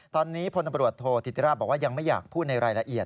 ตอนนี้พลตำรวจโทษธิติราชบอกว่ายังไม่อยากพูดในรายละเอียด